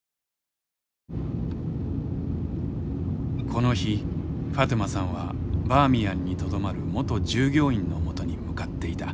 この日ファトゥマさんはバーミヤンにとどまる元従業員のもとに向かっていた。